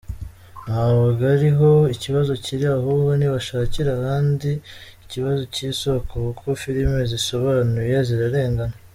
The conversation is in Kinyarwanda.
Ntabwo ariho ikibazo kiri ahubwo nibashakire ahandi ikibazo cy’isoko kuko filime zisobanuye zirarengana.